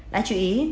đáng chú ý